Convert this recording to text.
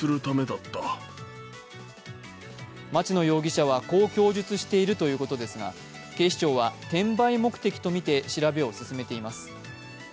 町野容疑者はこう供述しているということですが、警視庁は転売目的とみて調べを進めています。